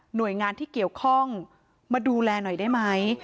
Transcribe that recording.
หน่วยงานที่เกี่ยวข้องมาดูแลหน่อยได้มั้ย